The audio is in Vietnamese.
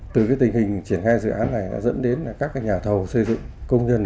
từ tình hình triển ngay dự án này dẫn đến các nhà thầu xây dựng công nhân